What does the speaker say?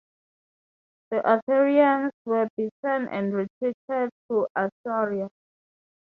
The Assyrians were beaten and retreated to Assyria.